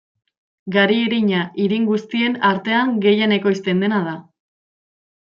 Gari irina irin guztien artean gehien ekoizten dena da.